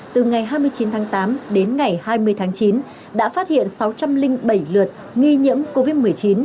từ ngày hai mươi chín tháng tám đến ngày hai mươi tháng chín đã phát hiện sáu trăm linh bảy lượt nghi nhiễm covid một mươi chín